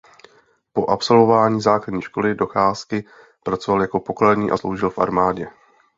Po absolvování základní školní docházky pracoval jako pokladní a sloužil v armádě.